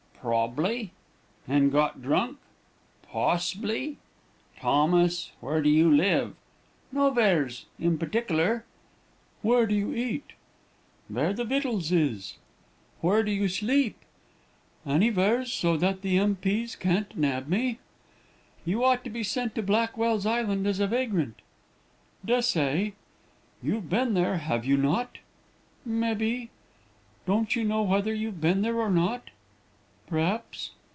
"'Prob'bly.' "'And got drunk?' "'Poss'bly.' "'Thomas, where do you live?' "'Noveres, in p'tickler.' "'Where do you eat?' "'Vere the wittles is.' "'Where do you sleep?' "'Anyveres, so that the M.P.s can't nab me.' "'You ought to be sent to Blackwell's Island as a vagrant.' "'Des'say.' "'You've been there, have you not?' "'Mebbee.' "'Don't you know whether you've been there or not?' "'P'r'aps.'